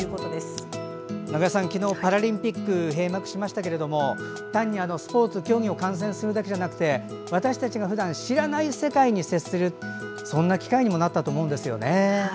中江さん、昨日パラリンピック閉幕しましたけど単にスポーツ、競技を観戦するだけじゃなくて私たちがふだん知らない世界に接するそんな機会にもなったと思うんですよね。